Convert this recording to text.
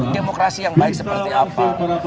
demokrasi yang baik seperti apa